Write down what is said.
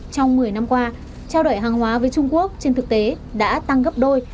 trong một mươi năm qua trao đổi hàng hóa với trung quốc trên thực tế đã tăng gấp đôi